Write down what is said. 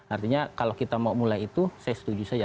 artinya kalau kita mau mulai itu saya setuju saja